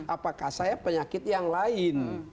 apakah saya penyakit yang lain